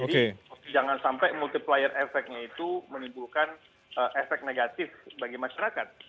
jadi jangan sampai multiplier efeknya itu menimbulkan efek negatif bagi masyarakat